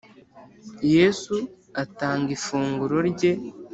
Yesu atanga ifunguro ryera